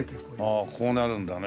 ああこうなるんだね。